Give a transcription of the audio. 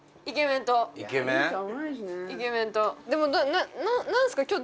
イケメンとでも何すか？